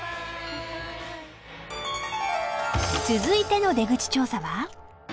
［続いての出口調査は］